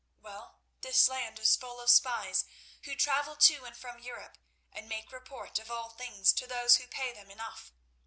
Well, this land is full of spies, who travel to and from Europe and make report of all things to those who pay them enough.